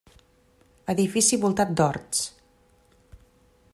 Edifici voltat d'horts.